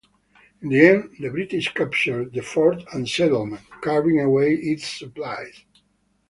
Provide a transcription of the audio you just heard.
In the end, the British captured the fort and settlement, carrying away its supplies.